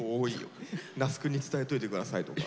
那須くんに伝えといてくださいとか。